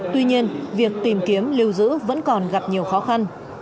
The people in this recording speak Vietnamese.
tuy nhiên việc tìm kiếm lưu giữ vẫn còn gặp nhiều khó khăn